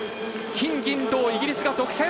金、銀、銅イギリスが独占。